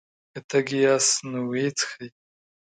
که تږي ياست نو ويې څښئ!